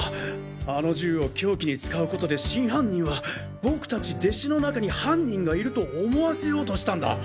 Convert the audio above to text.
あの銃を凶器に使うことで真犯人は僕たち弟子の中に犯人がいると思わせようとしたんだ。